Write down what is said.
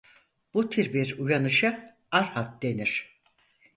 Bu tür bir uyanışa Arhat denir.